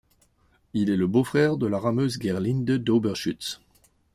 Il est le beau-frère de la rameuse Gerlinde Doberschütz.